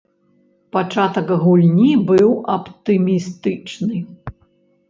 Пачатак гульні быў аптымістычны.